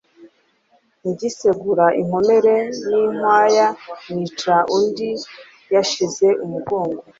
Ngisegura inkomere n'inkwaya, nica undi yashize umurego